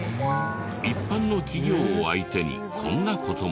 一般の企業を相手にこんな事も。